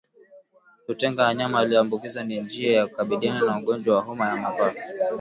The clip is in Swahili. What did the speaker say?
Kutenga wanyama walioambukizwa ni njia ya kukabiliana na ugonjwa wa homa ya mapafu